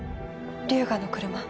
龍河の車。